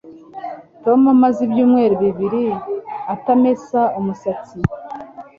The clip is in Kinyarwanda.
Tom amaze ibyumweru bibiri atamesa umusatsi